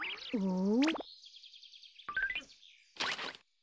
お！